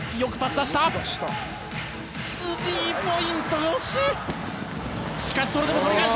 スリーポイント、惜しい。